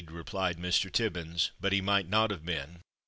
replied Mr. Tibbins. "But he might not have been."